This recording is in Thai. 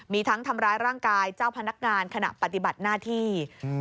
มีทั้งทำร้ายร่างกายเจ้าพนักงานขณะปฏิบัติหน้าที่